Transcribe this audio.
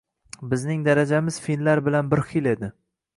Bizning darajamiz finlar bilan bir xil edi